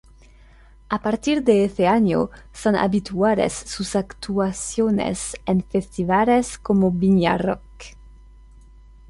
A partir de ese año son habituales sus actuaciones en festivales como Viña Rock.